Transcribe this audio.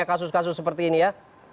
kasus kasus seperti ini ya